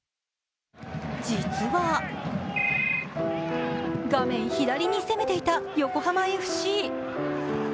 実は画面左に攻めていた横浜ＦＣ。